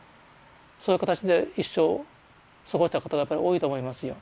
そういう形で一生を過ごした方がやっぱり多いと思いますよ。